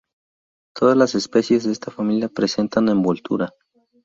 Todas las especies de esta familia presentan envoltura.